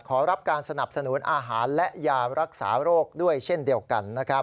ขอรับการสนับสนุนอาหารและยารักษาโรคด้วยเช่นเดียวกันนะครับ